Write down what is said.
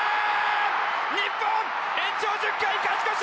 日本、延長１０回勝ち越し！